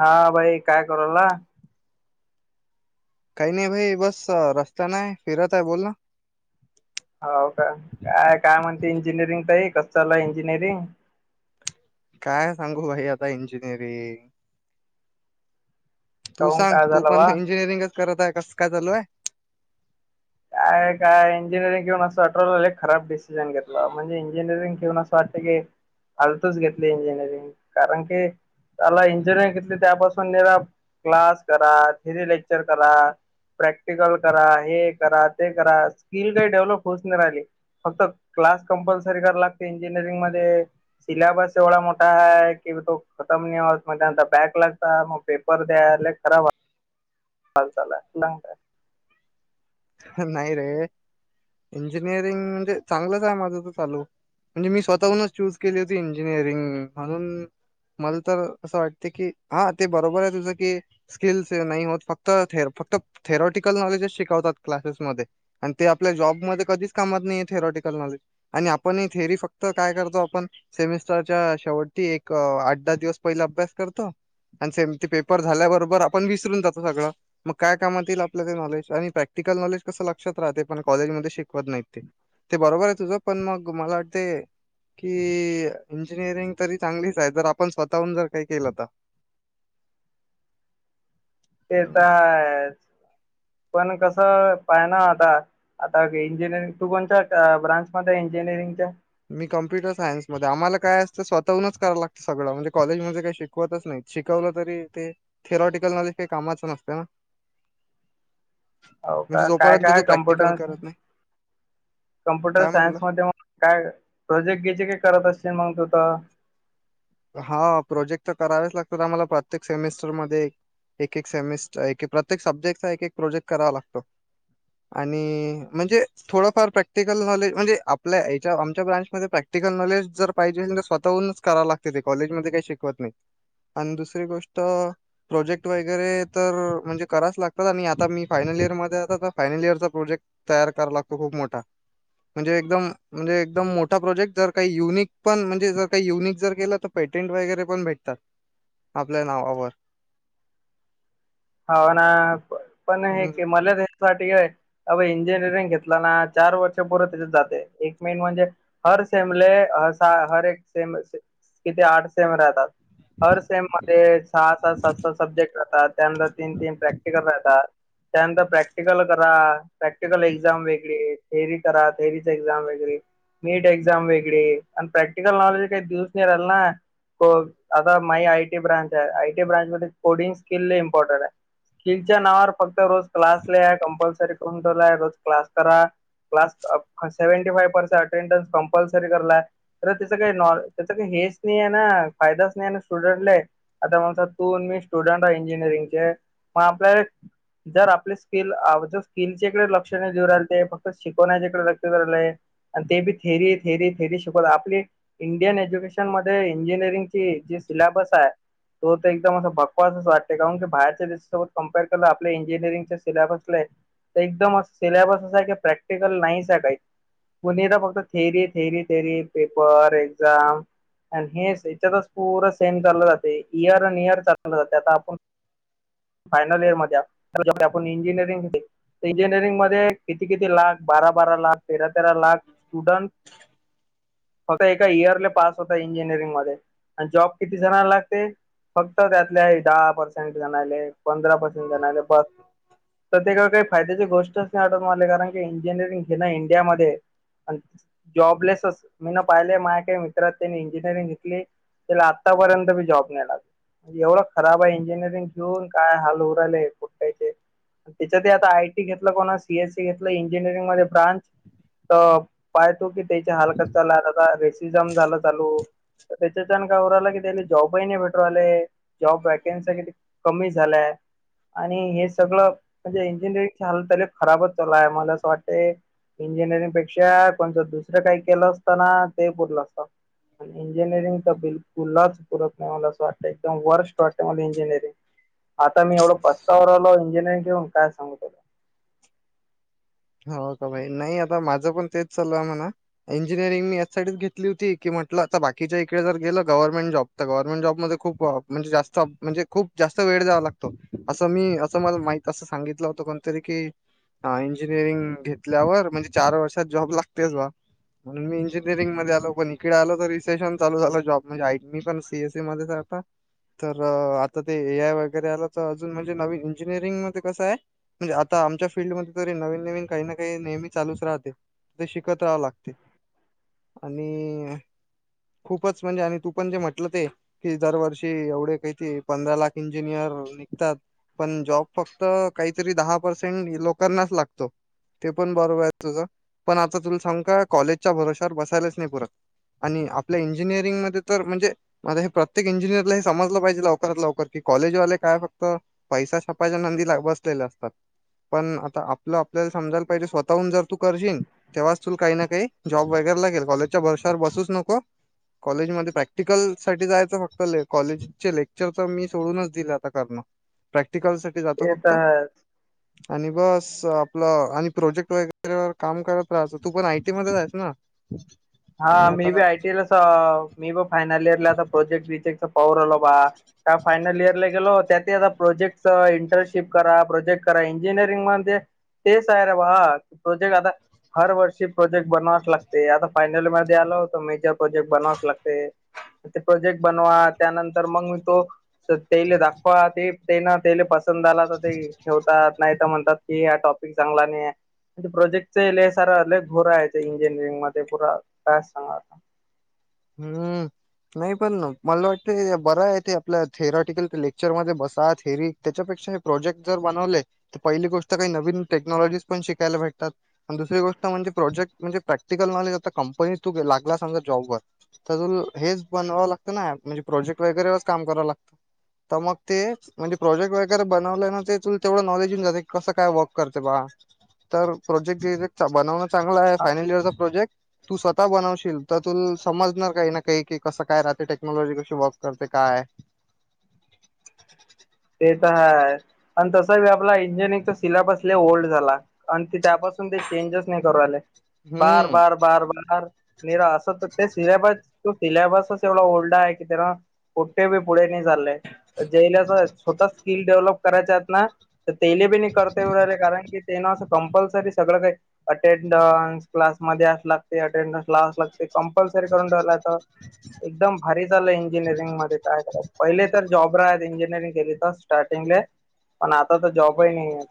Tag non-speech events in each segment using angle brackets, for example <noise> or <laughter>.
हा भाई काय करू राहिला? काही नाही भाई बस रस्त्यान आहे फिरत आहे बोला. हो का काय काय म्हणते इंजिनिअरिंग ताई कसं चाललंय इंजिनिअरिंग? काय सांगू भाई आता इंजिनिअरिंग. तू काऊन सांग काय तू झालं पण बा इंजिनिअरिंगच करत आहे कस काय चालु आहे? काय काय इंजिनिअरिंग घेऊन असं वाटूरायल खराब डिसिजन घेतला म्हणजे इंजिनिअरिंग घेऊन असं वाटत की फालतुच घेतली इंजिनिअरिंग कारण की साला इंजिनिअरिंग घेतली त्यापासून निरा क्लास करा थिरी लेक्चर करा प्रॅक्टिकल करा हे करा ते करा स्किल काय डेव्हलोप होउच नाही राहिली. फक्त क्लास कंपल्सरी करा लागते इंजिनिअरिंग मध्ये. सिलाबस एवढा मोठा आहे की तो खतम नाही होत मग त्यांनंतर बँक लागता पेपर द्या लय खराब चाल चाल ना. <unintelligible> ह नाही रे इंजिनियरिंग म्हणजे चांगलंच आहे माझं तर चालू. म्हणजे मी स्वतःहूनच चूज केली होती इंजिनिअरिंग म्हणून. मला तर असं वाटते की हा ते बरोबर आहे तुझं की स्किल्स से नाही होत फक्त थेरपाटिक फक्त थेरॉटिकल नॉलेजेच शिकवतात क्लासेसमध्ये. आणि ते आपल्या जॉबमध्ये कधीच कामात नाहीये थेरोॉटिकल नॉलेज. आणि आपण थेरी फक्त काय करतो आपण सेमिस्टरच्या शेवटी एक आठ दहा दिवस पहिला अभ्यास करतो. आणि सेमचे पेपर झाल्याबरोबर आपण विसरून जातो सगळं मग काय कामात येईल आपल्या ते नॉलेज आणि प्रॅक- क्टिकल नॉलेज कसं लक्षात राहते पण काँलेज मधे शिकवत नाहीत ते. ते बरोबर आहे तुझं पण मग मला वाटते कि इंजिनिअरिंग तरी चांगलच आहे जर आपण स्वतःहून जर काही केलं तर. ते हं. तरय पण कस पाहि ना आता आता इंजिनिअरिंग तू कोणत्या ब्रांच मध्ये आहे इंजिनिअरिंगच्या? मी कम्प्युटरसायन्समध्ये आम्हाला काय असंत स्वताहुनच करल लागत सगळं म्हणजे कॉलेजमध्ये काय शिक होतच नाही शिकवतच नाही शिकवलं तरी ते थिरॉटिकल नॉलेज काही कामाचं नसते ना. हो म्हणजे का काय जोपर्यंत काय तू प्रॅक्टिकल कम्प्युटरच. करत <unintelligible> नाही. कम्प्युटर काय म्हटलं? सायन्स मध्ये मग काय प्रोजेक्ट घ्याचे काही करत असतील मग तू तर. हा प्रोजेक्ट तर करावेच लागतात आम्हला प्रत्येक सेमेस्टरमध्ये. एक एक सेमिस्टर एकेक प्रत्येक सब्जेक्टचा एक एक प्रोजेक्ट करावा लागतो. आणि म्हणजे थोडंफार प्रॅक्टिकल नॉलेज म्हणजे आपल्या याच्या आमच्या प्रॅक्टिकल नॉलेज जर पाहिजे असेल तर स्वतःहूनच कराव लागते ते कॉलेजमध्ये काही शिकवत नाही आणि दुसरी गोष्ट प्रोजेक्ट वगैरे तर म्हणजे करायच लागतात आणि आता मी फायनल इयरमध्येये आता तर फायनल इयरचा प्रोजेक्ट तयार करावा लागतो खूप मोठा. म्हणजे एकदम म्हणजे एकदम मोठा प्रोजेक्ट जर काही युनिक पण म्हणजे जर काही युनिक जर केलं तर पेटेंट वगैरे पण भेटतात आपल्या नावावर. हो ना पण हे किम मला साठी हय. <unintelligible> अ इंजिनिअरिंग घेतला ना चार वर्षपुरे त्याच्यात जाते एक मेन म्हणजे हर सेमले हर <unintelligible> एक सेम किती आठ सेम राहतात. हर सेम मध्ये सहा सा सात सात सब्जेक्ट राहतात. त्यानंतर तीन तीन प्रॅक्टिकल राहतात त्यानंतर प्रॅक्टिकल क प्रॅक्टिकल एक्झाम वेगळी थेअरी करा थेअरीच एक्झाम वेगळी. मीट एक्झाम वेगळे आणि प्रॅक्टिकल नॉलेज काही दिवस नाही राहिलं ना. बघ आता माई आयटी ब्रांच आहे. आयटी ब्रांचमध्ये कोडिंग स्किल लय इम पॉर्टन्ट आहे. स्किलचा नावावर फक्त रोज क्लासला या कंपल्सरी. <unintelligible> रोज क्लास करा. क्लास फा seventy five percent attendance compulsory करलाय. तर त्याच काही नॉ त्याचा काही हेच नाही आहे ना, फायदाच नाही आहे ना स्टुडंटले. आता मग समज तू आणि मी स्टुडंट आहे इंजिनिअरिंगचे, मग आपल्याला जर आपले स्किल अ जर स्किलच्या इकडे लक्ष नाही देऊ राहिल ते फक्त शिकवण्याच्या इकडे लक्ष <unintelligible> आणि ते बी थेरी थेरी थेरी शिकवत आपली इंडियन एज्युकेशनमध्ये इंजिनिअरिंग ते जे सिलॅबस आहे, तो तर एकदम असं बकवासचं वाटते. का म्हणून बाहेरच्या देशासोबत कम्पेअर केलं आपल्या इंजिनिअरिंगच्या सिल्याबसले तर एकदम असं सिल्यबस असा आहे क प्रॅक्टिकल नाहीच आणि काही. कोणी येत फक्त theory theory theory paper exam. आणि हे याच्यातच पुर सेम चाललं जातंय इयर अन इयर चाललं जातंय. आता आपण फायनल इयरमध्ये <unintelligible> आपण इंजिनीअरिंगमध्ये इंजिनिअरिंगमध्ये किती किती लाख, बारा बारा लाख तेरा तेरा लाख स्टुडंट फक्त एका इयरले पास होता इंजिनिअरिंग मध्ये. आणि जॉब किती जणला लागते? फक्त त्यातल्या दहा पर्सेंट जणाले, पंधरा परसेंट जणाले बस. प्रत्येकाला काय फायद्याची गोष्टच नाही वाटत मले. कारण की इंजिनिअरिंग हे ना इंडियामध्ये जॉबलेसच. मी ना पाहिले माय काय मित्रात त्यांनी इंजिनिअरिंग घेतली. त्याला आत्तापर्यंत बी जॉब नाही लागला म्हणजे एवढं खराब आहे इंजिनिअर. घेऊन काय हाल होऊ राहिले पोट्टयाचे. त्यांच्यातही आता आयटी घेतलं, कोणा सीएससी घेतलं इंजिनिअरिंगमध्ये ब्रांच तर पाहयतो तो की त्याचे हाल कसं चाललंय आता रेसिझम झालं चालू. त्याच्याच्यानं काय होऊ राहिलं की, त्याले जॉबही नाही भेटून राहिले‌. जॉब वॅकेन्सी कमी झालंय. आणि हे सगळं म्हणजे इंजिनिअरिंगची हालत खराबच चालू आहे. मला असं वाटतंय इंजिनिअरिंग पेक्षा कोणचं दुसरं काही केलं असतं ना ते पुरलं असतं. पण इंजिनिअरिंगचा बिलकुलच पुरत नाही मला असं वाटतंय. एकदम वर्स्ट वाटतंय मला इंजिनिअरिंग. आता मी एवढं पस्तावू राहिलो इंजिनिअरिंग घेऊन काय सांगू तुला. हो का भाई? नाही आता माझं पण तेच चालू आहे म्हणा. इंजिनिअरिंग मी यासाठीच घेतली होती, की म्हटलं आता बाकीच्या इकडे जर गेलं गव्हर्नमेंट जॉब तर गव्हर्नमेंट जॉबमध्ये खूप म्हणजे जास्त म्हणजे खूप जास्त वेळ द्यावा लागतो असं मी असं मला माहित तसं सांगितलं होतं कोणतरी की, अं इ इंजीनियरिंग घेतल्यावर म्हणजे चार वर्षात जॉब लागतेच बा. म्हणून मी इंजिनिअरिंगमध्ये आलो, पण इकडे आलो तर रिसेशनचालू झालं जॉबमध्ये आयटी पण सीएसईमध्ये आहे आता. तर आता ते ए आय वगैरे आला, तर अजून म्हणजे नवीन इंजिनिअरिंगमध्ये कसं आहे म्हणजे आता आमच्या फील्डमध्ये री नवीन नवीन काही ना काही नेहमी चालूच राहते. ते शिकत राहावं लागते. आणि खूपच म्हणजे आणि तू पण जे म्हटलं ते कि दरवर्षी एवढे काही ते पंधरा लाख इंजिनियर निघतात. पण जॉब फक्त काहीतरी दहा पर्सेंट लोकांनाच लागतो. ते पण बरोबर आहे तुझं. पण आता तुला सांग काय, कॉलेजच्या भरोशावर बसायलाच नाही पुरत. आणि आपल्या इंजिनिअरिंगमध्ये तर म्हणजे म आता हे प्रत्येक इंजिनियरला हे समजलं पाहिजे लवकरात लवकर की कॉलेजवाले काय फक्त पैसा छापाच्या नांदी ला बसलेले असतात पण तर आपलं आपल्याला समजायला पाहिजे स्वतःहून जर तू करशीन तेव्हाच तूल काही ना काही जॉब वगैरे लागेल कॉलेजच्या वर्षावर बसूच नको. कॉलेजमध्ये प्रॅक्टिकल साठी जायचं फक्त ले कॉलेजचे लेक्चर तर मी सोडूनच दिले आता करणं. प्रॅक्टिकल साठी जातो ते फक्त तर आणि बस स आपलं आणि प्रोजेक्ट वगैरेवर काम करत राहायचा तू पण आय टी मध्येच आहेस ना. आणि हा मी आता बी आय टी ला सा मी ब फायनल इयर ला आता प्रोजेक्ट बीजेक्ट सब पाहु राहिलो बा का फायनल इयरला गेलो त्यात ही आता प्रोजेक्ट चा इंटर्नशिप करा प्रोजेक्ट करा इंजिनिअरिंग म्हणजे तेच आहे रे भावा प्रोजेक्ट आता हर वर्षी प्रोजेक्ट बनवाच लागते आता. फायनल मध्ये आलो तर मेजर प्रोजेक्ट बनावच लागते. ते प्रोजेक्ट बनवा त्यानंतर मंग मी तो स त्याले दाखवा ते ते ना त्याले पसंद आला तर ते ठेवतात नाही तर म्हणतात की ह्या टॉप पिक चांगला नाही आहे प्रोजेक्टचे लय सारे लय घोर आहे ते इंजिनिअरिंगमध्ये. पुर्रा काय सांगाव आता. हम्म. नाही पण मला वाटतं बरं आहे ते आपल्या थेरॉटिकल लेक्चरमध्ये बसा थेअरी त्याच्यापेक्षा हे प्रोजेक्ट जर बनवले तर पहिली गोष्ट काही नवीन टेक्नॉलॉजीस पण शिकायला भेटतात. आणि दुसरी गोष्ट म्हणजे प्रोजेक्ट म्हणजे प्रॅक्टिकल नॉलेज आता कंपनी तू गे लागला समजा जॉब वर तर तूल हेच बनवावं लागतं ना म्हणजे प्रोजेक्ट वगैरे वच काम करावं लाग तं मग ते म्हणजे प्रोजेक्ट वगैरे बनवलं ना ते तुल तेवढं नॉलेज होऊन जातं की कसं काय वर्क करते बा. तर प्रोजेक्ट ही त्या बनवणं चांगलं आहे हा फायनल इयरचा प्रोजेक्ट तू स्वतः बनवशील तर तुल समजणार काही ना काही की कसं काय राहते टेक्नॉलॉजी कशी वॉक करते काय. ते तर हाय. आणि तसा बी आपला इंजिनिअरिंगचा सिलेबसले लई ओल्ड झाला. आणि ते त्यापासून ते चेंजेस नाही करू आले. बार हम्म बार बार बार निरा असं तर ते सिलायबस तो सिलेबसच एवढा ओल्डा आहे की त्याला कुठे बी पुढे नाही चाललंय जेलसयेस छोटा स्किल डेव्हलप करायचा आहेत ना तर तेले बी नहीं करत <unintelligible> कारण की तेना असं कम्पल्सरी सगळं काही अटेंडन्स क्लासमध्ये अस लागते अटेंडन्स लावां लाग ते कंपल्सरी करून ठेवलं तर एकदम भारी झालं इंजिनिअरिंग मध्ये काय कराय पहिले तर जॉब राहत इंजिनिअरिंग केली तर स्टार्टिंगले पण आता तर जॉबही नाही आहे.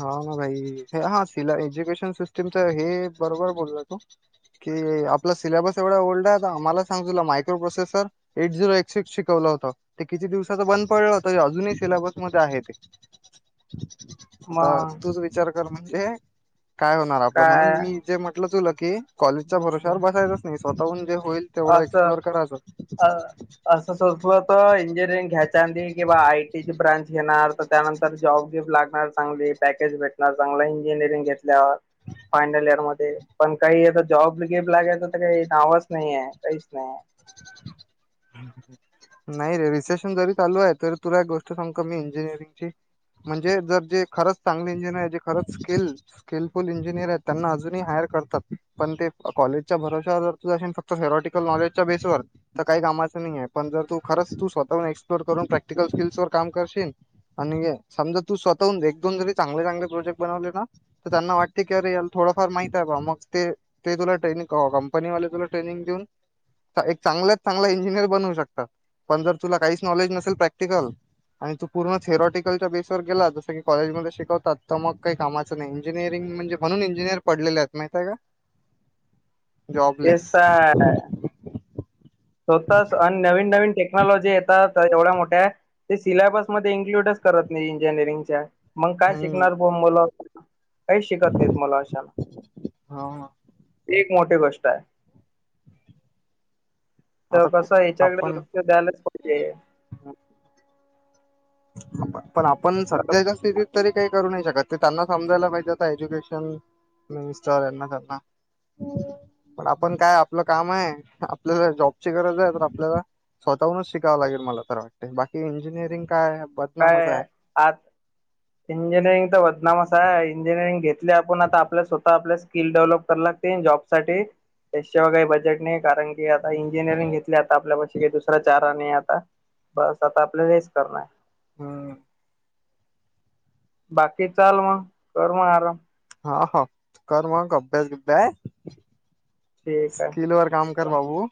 हा ना भाई हे हा सिलाय एज्युकेशन सिस्टमचा हे बरोबर बोलला तू. कि आपला सिलेबस एवढा ओल्ड आहे तर आम्हाला सांग तुला microprocessor eight zero eight six शिकवलं होतं ते किती दिवसाचा बंद पडलं होतं ते अजूनही सिलेबसमध्ये आहे ते. <inaudible> आता मग तूच विचार कर म्हणजे काय होणार आपलं म्हणून काय मी जे म्हटलं तुलं की कॉलेजच्या भरोश्यावर बसायचंच नाही स्वतःहून जे होईल तेवढं एक्सप्लोर करायच. तसं असलं तर इंजिनिअरिंग घ्यायच्या आंदी किंवा आय टी ची ब्रांच घेणार तर त्यानंतर जॉब घेऊ लागणार चांगली पॅकेज भेटणार चांगला इंजिनिअरिंग घेत ल्यावर फायनल इयर मध्ये पण काही आता जॉब गेब लागेयच तर काही नावच नाही आहे. काहीच नाही. हम्म. नाही रे रिसेशन जरी चालू आहे तरी तुला एक गोष्ट सांगु का मी इंजिनिअरिंगची? म्हणजे जर जे खरंच चांगले इंजिनिअर जे खरंच स्किल स्किलफुल इंजिनिअर आहेत त्यांना अजूनही हायर करतात पण ते क कॉलेजच्या भरोश्यावर जर तुझा हेन फक् त थिअरोटिकल नॉलेजच्या बेसवर तर काही कामाचं नाही आहे पण जर तू खरंच तू स्वतःहून एक्सप्लोर करून प्रॅक्टिकल स्किल्स वर काम करशीन आणि गे समजा तू स्वतःहून एक दोन जरी चांगले चांगले प्रोजेक्ट बनवले ना तर त्यांना वाटते की अरे याला थोडंफार माहित आहे बा मग ते ते तुला ट्रेनिंग काव कंपनी वाले तुला ट्रेनिंग देऊन ता एक चांगल्यात चांगल्या इंजिअर बनवू शकतात पण जर तुला काहीच नॉलेज नसेल प्रॅक्टिकल आणि तू पूर्ण थेरॉटिकलच्या बेसवर गेला जसं की कॉलेजमध्ये शिकवतात तर मग काही कामा चा नाही इंजिअरंग म्हणजे म्हणून इजिनियर पडलेले आहेत माहितय का. जॉबलेस तेच तर स्वतःच आन नवीन-नवीन टेक्नॉलॉजी येतात तर ऐवढ्या मोठ्या सिलेबस मध्ये इन्क्ल्यूडच करत नाही इंजिनिअरिंगच्या मग काय हम्म शिकणार. हो मला काही शिकत नाहीत तुम्हाला अशाला. हा ती एक मोठी गोष्ट आहे. तेव आता कसं याच्याकडे आपण लक्ष द्यायलाच पाहिजे. पण आपण सध्या जास्ती की तरी काही करू नाही शकत ते त्यांना समजायला पाहिजे आता एज्युकेशन मिनिस्टर यांना. <unintelligible> पण आपण काय आपलं काम आहे आपल्याला जॉबची गरज आहे तर आपल्याला स्वतःहूनच शिकावं लागेल मला तर वाटते बाकी इंजिनिअरिंग काय आपत काय आत इंजिनिअरिंग तर बदनामस आहे इंजिनिअरिंग घेत आपल्या आपण आता आपलं स्वतः आपलस स्किल डेव्हलप करा लागते जॉब साठी पैश्या व काही बजेट नाही कारण की आता इंजिनिअरिंग घेतली आता आपल्या पाशी काही दुसरा चारा नाही आता. बस आता आपल्याला हेच करणा आहे. हम्म. बाकी चाल म कर म आराम. हा हा कर मग अभ्यास बिब्यास ठीक आहे. स्किल वर काम कर बाबू